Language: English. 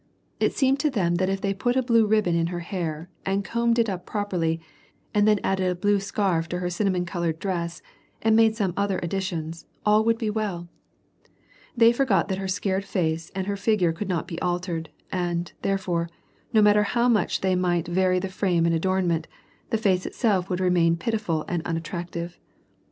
It seemed to them that if they put a blue ribbon in her hair, and combed it up properly, and then added a blue scarf tb her cinnamon colored dress, and made some other such additions, all would be well. They forgot that her scared face and her figure could not he altered, and, therefore, no matter how much they might ▼aiy the frame and adornment, the face itself would remain pitiful and unatti active.